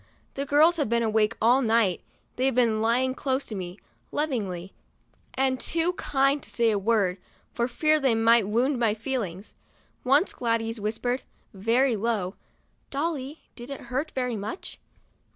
The girls have been awake all night ; they've been lying close to me, lovingly, and too kind to say a word, for fear they might wound my feelings. Once Gladys whispered, very low: " Dolly, did it hurt very much?"